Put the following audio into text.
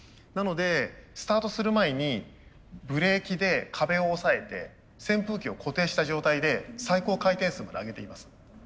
なのでスタートする前にブレーキで壁を押さえて扇風機を固定した状態で最高回転数まで上げています。